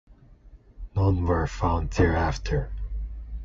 None were found thereafter.